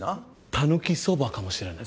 たぬきそばかもしれない。